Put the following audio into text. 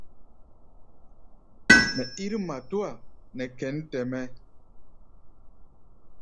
Mɛ ír matúa nɛ kěn tɛ-mɛ́.